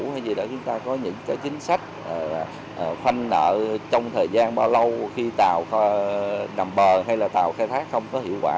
hay gì đó chúng ta có những cái chính sách khoanh nợ trong thời gian bao lâu khi tàu nằm bờ hay là tàu khai thác không có hiệu quả